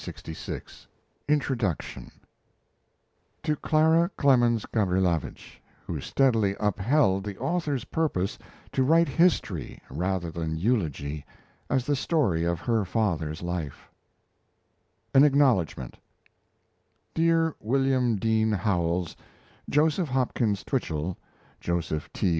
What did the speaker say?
Part 1: 1835 1866 TO CLARA CLEMENS GABRILOWITSCH WHO STEADILY UPHELD THE AUTHOR'S PURPOSE TO WRITE HISTORY RATHER THAN EULOGY AS THE STORY OF HER FATHER'S LIFE AN ACKNOWLEDGMENT Dear William Dean Howells, Joseph Hopkins Twichell, Joseph T.